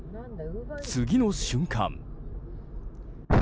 次の瞬間。